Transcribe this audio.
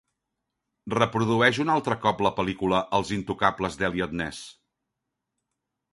Reprodueix un altre cop la pel·lícula "Els intocables d'Eliot Ness".